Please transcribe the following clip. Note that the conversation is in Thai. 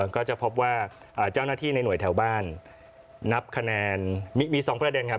ก็จะพบว่าเจ้าหน้าที่ในหน่วยแถวบ้านนับคะแนนมี๒ประเด็นครับ